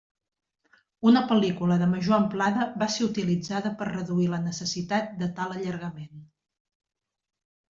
Una pel·lícula de major amplada va ser utilitzada per reduir la necessitat de tal allargament.